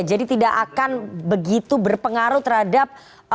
jadi tidak akan begitu berpengaruh terhadap